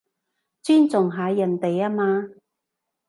尊重下人哋吖嘛